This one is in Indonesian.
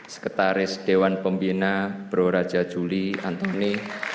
sekretaris dewan pembina bro raja juli antoni